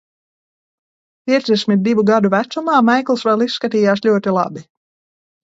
Piecdesmit divu gadu vecumā Maikls vēl izskatījās ļoti labi.